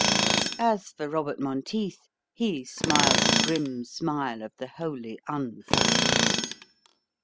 As for Robert Monteith, he smiled the grim smile of the wholly unfascinated.